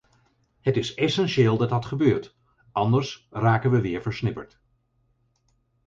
Het is essentieel dat dat gebeurt, anders raken we weer versnipperd.